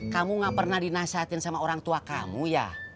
kamu gak pernah dinasihatin sama orang tua kamu ya